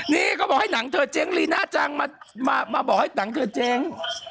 นี่เขาบอกให้หนังเธอเจ๊งลีน่าจังมาบอกให้หนังเธอเจ๊ง